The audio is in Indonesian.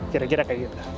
kira kira kayak gitu